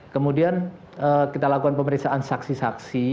kemudian kita lakukan pemeriksaan saksi saksi